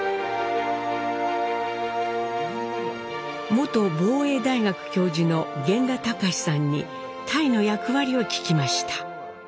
元防衛大学教授の源田孝さんに隊の役割を聞きました。